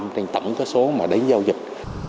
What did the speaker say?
trên tổng số mà đánh giao dịch